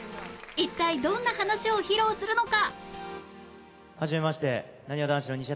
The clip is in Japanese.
一体どんな話を披露するのか？